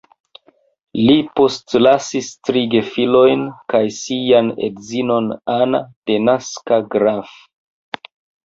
Li postlasis tri gefilojn kaj sian edzinon Anna denaska Graf.